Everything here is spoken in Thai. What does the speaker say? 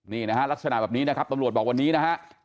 นี่นะฮะลักษณะแบบนี้นะครับตำรวจบอกวันนี้นะฮะ